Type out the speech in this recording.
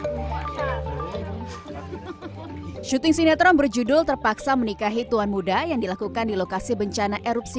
hai syuting sinetron berjudul terpaksa menikahi tuan muda yang dilakukan di lokasi bencana erupsi